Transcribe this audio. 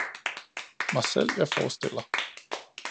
mig selv jeg forestiller.